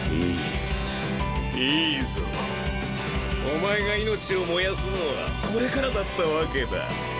お前が命を燃やすのはこれからだったわけだ。